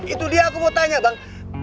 itu dia aku mau tanya bang